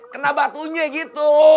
kena batunya gitu